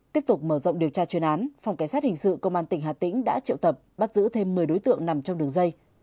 tiếp tục mở rộng điều tra chuyên án phòng cảnh sát hình sự công an tỉnh hà tĩnh đã triệu tập bắt giữ thêm một mươi đối tượng nằm trong đường dây